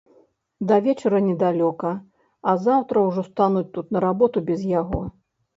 Да вечара недалёка, а заўтра ўжо стануць тут на работу без яго.